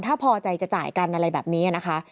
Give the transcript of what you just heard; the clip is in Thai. ถ้าพอใจจะจ่ายกันอะไรแบบนี้นะคะ